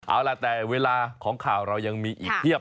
เอาล่ะแต่เวลาของข่าวเรายังมีอีกเพียบ